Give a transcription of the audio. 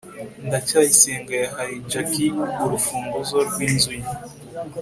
ndacyayisenga yahaye jaki urufunguzo rw'inzu ye